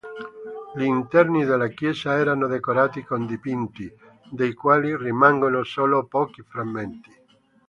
Gli interni della chiesa erano decorati con dipinti, dei quali rimangono solo pochi frammenti.